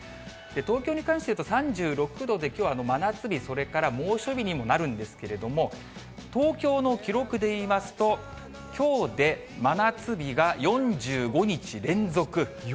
東京に関して言うと、３６度で、きょうは真夏日、それから猛暑日にもなるんですけれども、東京の記録でいいますと、きょうで真夏日が４５日連続。